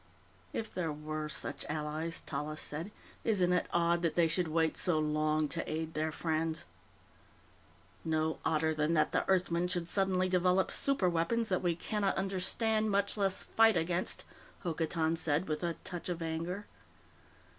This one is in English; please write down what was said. "If there were such allies," Tallis said, "isn't it odd that they should wait so long to aid their friends?" "No odder than that the Earthmen should suddenly develop superweapons that we cannot understand, much less fight against," Hokotan said, with a touch of anger.